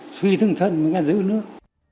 xuy thương thân mới giữ nước